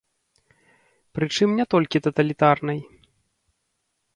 Прычым не толькі таталітарнай.